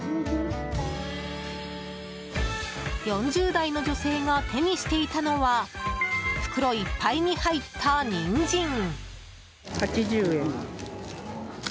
４０代の女性が手にしていたのは袋いっぱいに入ったニンジン。